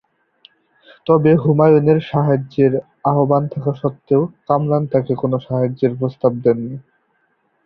তবে হুমায়ুনের সাহায্যের আহবান থাকা সত্ত্বেও, কামরান তাকে কোনও সাহায্যের প্রস্তাব দেয়নি।